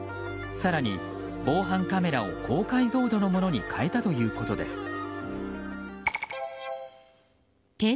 更に防犯カメラを高解像度のものに替えたということです。